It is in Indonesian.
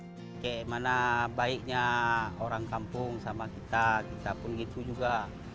bagaimana baiknya orang kampung sama kita kita pun gitu juga